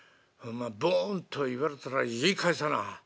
ボンと言われたら言い返さな。